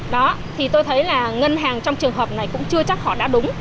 nhưng mà ngân hàng trong trường hợp này cũng chưa chắc họ đã đúng